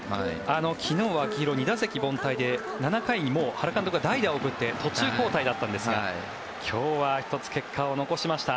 昨日は秋広、２打席凡退で７回にもう原監督は代打を送って途中交代だったんですが今日は１つ結果を残しました。